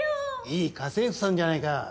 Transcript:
いい家政婦さんじゃないか。